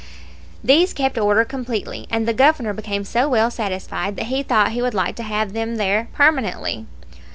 These kept order completely, and the Governor became so well satisfied that he thought he would like to have them there permanently!